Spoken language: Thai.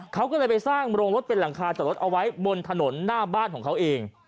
เขาก็เลยไปสร้างโรงรถเป็นหลังคาจอดรถเอาไว้บนถนนหน้าบ้านของเขาเอง